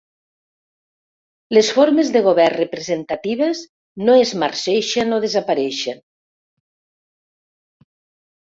Les formes de govern representatives no es marceixen o desapareixen.